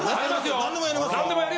何でもやりますよ。